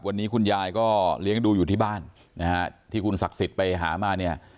วันนี้คุณยายก็เลี้ยงดูอยู่ที่บ้านนะฮะที่คุณศักดิ์สิทธิ์ไปหามาเนี่ย